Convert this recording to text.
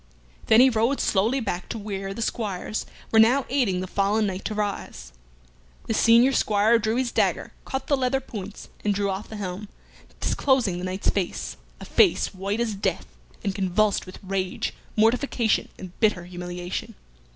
Then he rode slowly back to where the squires were now aiding the fallen knight to arise. The senior squire drew his dagger, cut the leather points, and drew off the helm, disclosing the knight's face a face white as death, and convulsed with rage, mortification, and bitter humiliation.